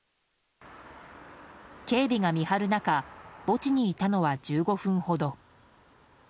警備が見張る中墓地にいたのは１５分ほど。